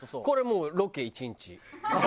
これもうロケ１日。